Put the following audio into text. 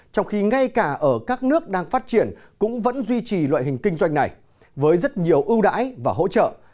trong khi ngay cả ở các nước đang phát triển cũng vẫn duy trì loại hình kinh doanh này với rất nhiều ưu đãi và hỗ trợ